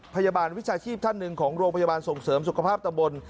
พยาบาลวิชาชีพท่านหนึ่งของโรงพยาบาลส่งเสริมสุขภาพตำบล